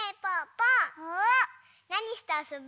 なにしてあそぶ？